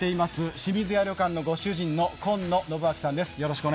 清水屋旅館のご主人の今野信秋さんです。